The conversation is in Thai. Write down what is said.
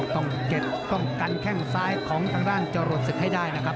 ต้องเก็บต้องกันแข้งซ้ายของทางด้านจรวดศึกให้ได้นะครับ